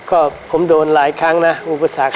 ก็ผมโดนหลายครั้งนะอุปสรรค